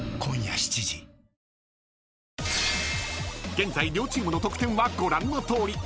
［現在両チームの得点はご覧のとおり］